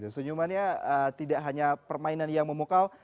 senyumannya tidak hanya permainan yang memukau